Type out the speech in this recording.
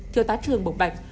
thiêu tá trường bộc bạch